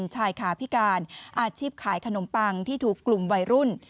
ชายขาพิการอาชีพขายขนมปังที่ถูกกลุ่มวัยรุ่น